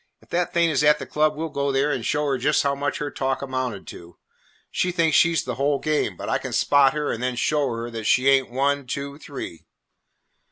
If that thing is at the club, we 'll go there and show her just how much her talk amounted to. She thinks she 's the whole game, but I can spot her and then show her that she ain't one, two, three."